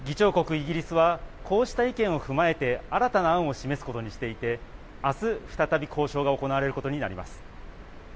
イギリスは、こうした意見を踏まえて新たな案を示すことにしていて、あす、再び交渉が行われることになります。